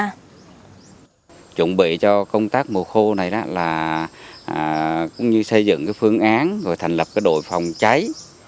chúng tôi đã chuẩn bị cho công tác mùa khô này là xây dựng phương án và thành lập đội phòng cháy